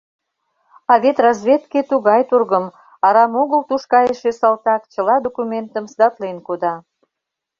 А вет разведке тугай тургым — арам огыл туш кайыше салтак чыла документым сдатлен кода.